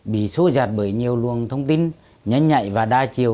bị xô giật bởi nhiều luồng thông tin nhanh nhạy và đa chiều